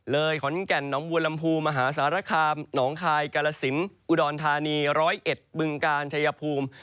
เลยข้อนิ่งแก่นน้องบูรรณภูมิมหาสารคาหนองคายกาลสินอุดรธานีร้อยเอ็ดบึงกาลชัยภูมิ